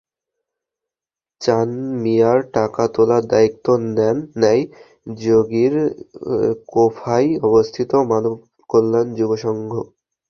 চান মিয়ার টাকা তোলার দায়িত্ব নেয় যোগীর কোফায় অবস্থিত মানব কল্যাণ যুব সংঘ।